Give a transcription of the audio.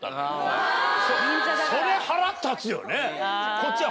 こっちは。